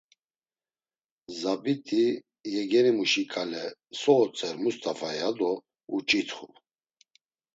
Zabit̆i, yegenimuşi ǩale: “So otzer Must̆afa?” ya do uç̌itxu.